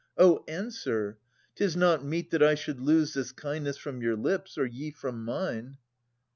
Oh answer ! 'Tis not meet that I should lose This kindness from your lips, or ye from mine.